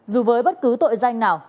dù với bất cứ tội danh nào